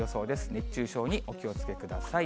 熱中症にお気をつけください。